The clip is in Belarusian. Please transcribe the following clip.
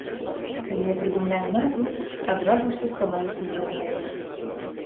Калі я прыдумляю назву, адразу ўсё становіцца зразумелым.